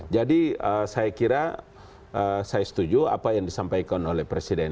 jadi saya kira saya setuju apa yang disampaikan oleh presiden